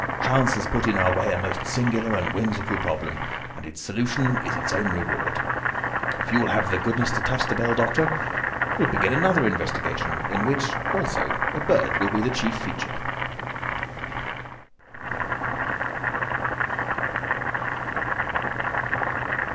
Chance has put in our way a most singular and whimsical problem, and its solution is its own reward. If you will have the goodness to touch the bell, Doctor, we will begin another investigation, in which, also a bird will be the chief feature."